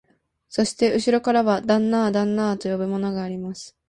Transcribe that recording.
そしてうしろからは、旦那あ、旦那あ、と叫ぶものがあります